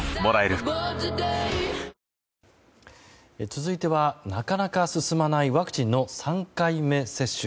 ＪＴ続いてはなかなか進まないワクチンの３回目接種。